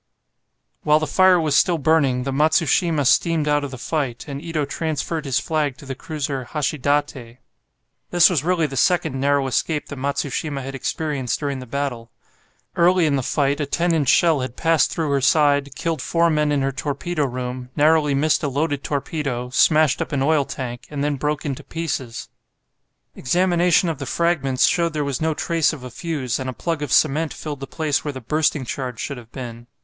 While the fire was still burning the "Matsushima" steamed out of the fight, and Ito transferred his flag to the cruiser "Hashidate." This was really the second narrow escape the "Matsushima" had experienced during the battle. Early in the fight a 10 inch shell had passed through her side, killed four men in her torpedo room, narrowly missed a loaded torpedo, smashed up an oil tank, and then broke into pieces. Examination of the fragments showed there was no trace of a fuse, and a plug of cement filled the place where the bursting charge should have been.